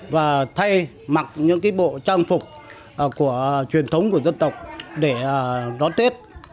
và thay mặc những bộ trang phục của truyền thống của dân tộc để đón tết